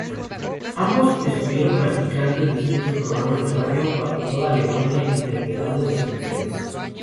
Ambos estuvieron participando en distintos programas de radio por toda Alemania, interpretando sus canciones.